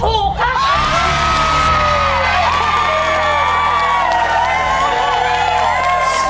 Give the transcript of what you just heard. ถูกครับ